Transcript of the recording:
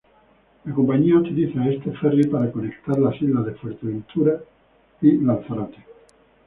La compañía utiliza este ferri para conectar las islas de Fuerteventura y Lanzarote.